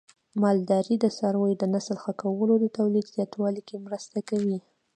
د مالدارۍ د څارویو د نسل ښه کول د تولید زیاتوالي کې مرسته کوي.